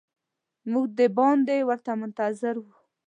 موږ د باندې ورته منتظر وو.